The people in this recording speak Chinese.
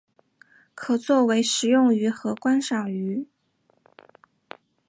可作为食用鱼和观赏鱼。